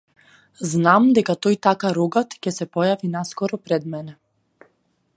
Знам дека тој така рогат ќе се појави наскоро пред мене.